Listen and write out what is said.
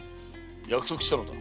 約束したのだ。